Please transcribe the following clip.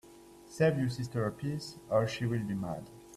Save you sister a piece, or she will be mad.